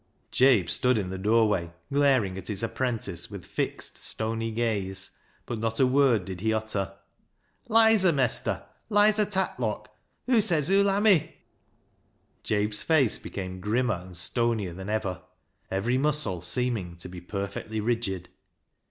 " Jabe stood in the doorway glaring at his apprentice with fixed, stony gaze, but not a word did he utter. " Lizer, mestur ! Lizer Tatlock. Hoo says hoo'll ha' me." Jabe's face became grimmer and stonier than ever, every muscle seeming to be perfectly rigid.